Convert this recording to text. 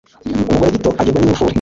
umugore gito ,agirwa n'ingufuri